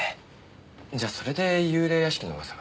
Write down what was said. じゃあそれで幽霊屋敷の噂が。